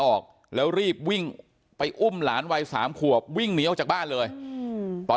ออกแล้วรีบวิ่งไปอุ้มหลานวัยสามขวบวิ่งหนีออกจากบ้านเลยตอน